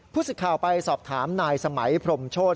สิทธิ์ข่าวไปสอบถามนายสมัยพรมโชธ